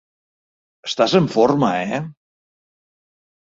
Estàs en forma, eh?